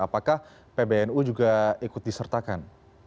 apakah pbnu juga ikut disertakan